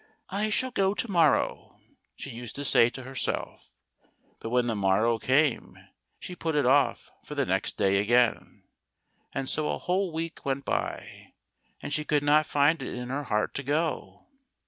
" I shall go to morrow," she used to say to herself, but when the morrow came, she put it off for the next day again, and so a whole week went by, and she could not find it in her heart to go.